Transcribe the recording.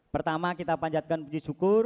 pertama kita panjatkan puji syukur